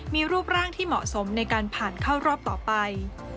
มีรูปร่างที่เหมาะสมในการผ่านเข้ารอบต่อไป